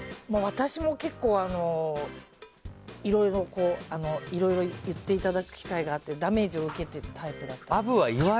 私も結構、いろいろ言っていただく機会があってダメージを受けるタイプだったんですよ。